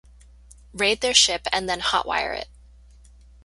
Raid their ship and then hot-wire it.